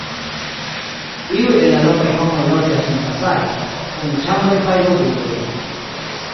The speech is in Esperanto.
Iuj el la lokaj homoj loĝas en casais, unuĉambraj pajlobudoj.